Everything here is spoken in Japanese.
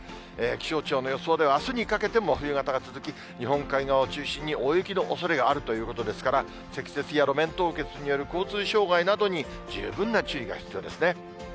気象庁の予想では、あすにかけても冬型が続き、日本海側を中心に大雪のおそれがあるということですから、積雪や路面凍結による交通障害などに十分な注意が必要ですね。